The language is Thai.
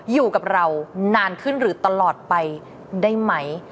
อยู่กับเรานานขึ้นหรือตลอดไปได้ไหม